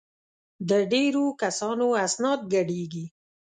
د ډېرو کسانو اسناد ګډېږي.